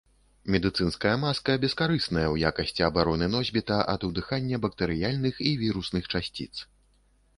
Медыцынская маска бескарысная ў якасці абароны носьбіта ад удыхання бактэрыяльных і вірусных часціц.